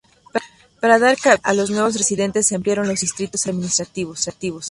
Para dar cabida a los nuevos residentes se ampliaron los distritos administrativos.